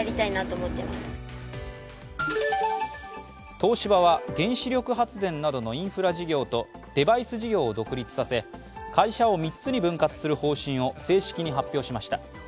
東芝は原子力発電などのインフラ事業とデバイス事業を独立させ会社を３つに分割する方針を正式に発表しました。